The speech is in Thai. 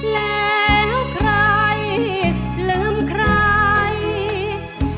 แล้วใครลืมใคร